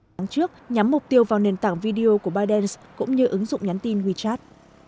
tháng trước nhắm mục tiêu vào nền tảng video của biden cũng như ứng dụng nhắn tin wechat